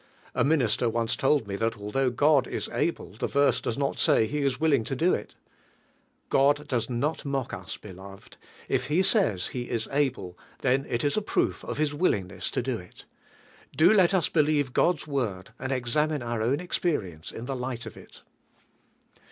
A minister on.ce told me that, although God is able, the verse does mil say Me is willing In do il. God does nol mock us. beloved; if tie aayfl He \s "able," thea it in ;i proof of His willingness to do it. Do let us be lieve God's Word and examine our own Experience in the light of il.